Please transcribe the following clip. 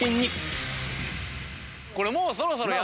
これもうそろそろ。